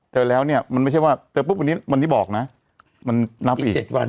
แต่แล้วเนี้ยมันไม่ใช่ว่าแต่ปุ๊บวันนี้วันนี้บอกน่ะมันนับอีกอีกเจ็ดวัน